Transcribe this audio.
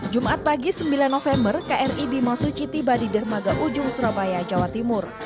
jumat pagi sembilan november kri bimasuci tiba di dermaga ujung surabaya jawa timur